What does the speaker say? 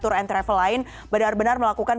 tour and travel lain benar benar melakukan